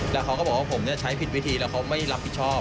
แล้วเขาก็บอกว่าผมใช้ผิดวิธีแล้วเขาไม่รับผิดชอบ